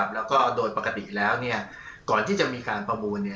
แล้วก็โดยปกติแล้วก่อนที่จะมีการประมูล